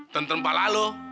tentram apa lalu